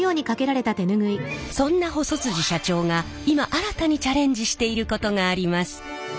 そんな細社長が今新たにチャレンジしていることがあります。